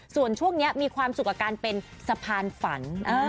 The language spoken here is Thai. ส่วนช่วงนี้มีความสุขกับการเป็นสะพานฝัน